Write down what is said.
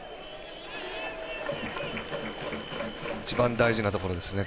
一番大事なところですね。